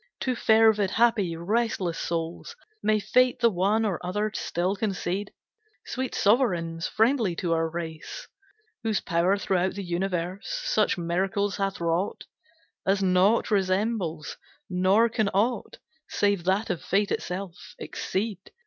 To fervid, happy, restless souls May fate the one or other still concede, Sweet sovereigns, friendly to our race, Whose power, throughout the universe, Such miracles hath wrought, As naught resembles, nor can aught, Save that of Fate itself, exceed.